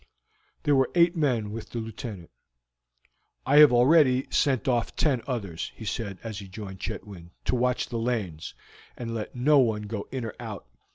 There were eight men with the Lieutenant. "I have already sent off ten others," he said as he joined Chetwynd, "to watch the lanes, and let no one go in or out.